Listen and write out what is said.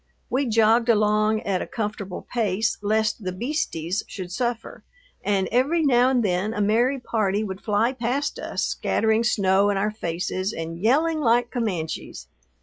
We jogged along at a comfortable pace lest the "beasties" should suffer, and every now and then a merry party would fly past us scattering snow in our faces and yelling like Comanches.